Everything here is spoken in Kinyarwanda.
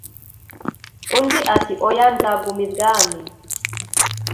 undi ati"oya nzaguma ibwami